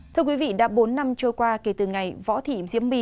thưa quý vị đã bốn năm trôi qua kể từ ngày võ thị diễm my